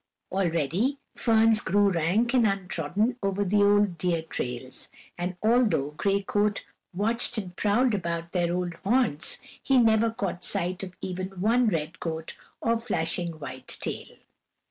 Already ferns grew rank and untrodden over the old deer trails, and although Gray Coat watched and prowled about their old haunts, he never caught sight of even one red coat or flashing white tail.